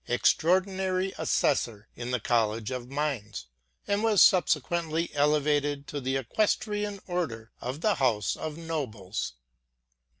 extraordi nary assessor in the college of mines, and was subsequently elevated to the equestrian order of the House of Nobles.